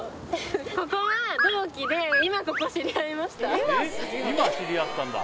ここは同期で今ここ知り合いましたあっ